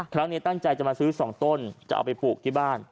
ครั้งนี้ตั้งใจจะมาซื้อ๒ต้นจะเอาไปปลูกที่บ้าน